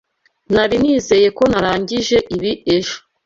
Nari nizeye ko narangije ibi ejo.